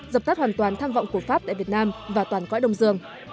dập tắt hoàn toàn tham vọng của pháp tại việt nam và toàn cõi đông dương